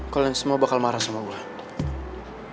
kalian semua bakal marah sama gue